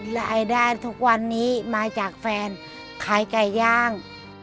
รายได้ทุกวันนี้มาจากแฟนขายไก่ย่าง